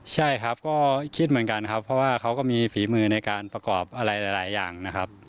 ใช่ครับก็คิดเหมือนกันครับเพราะว่าเขาก็มีฝีมือในการประกอบอะไรหลายอย่างนะครับ